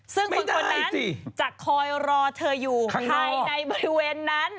ซึ่งคนนั้นจะคอยรอเธออยู่ภายในบริเวณนั้น